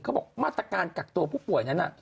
เขาบอกมาตรการกักตัวผู้ป่วยนั้น